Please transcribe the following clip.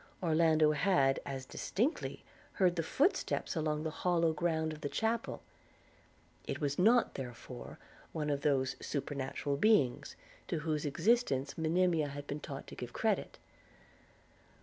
Orlando had as distinctly heard the footsteps along the hollow ground of the chapel; it was not therefore one of the those supernatural beings, to whose existence Monimia had been taught to give credit.